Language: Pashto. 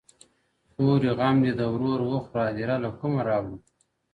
خوري غم دي د ورور وخوره هدیره له کومه راوړو!!!!!